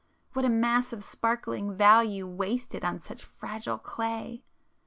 what a mass of sparkling value wasted on such fragile clay!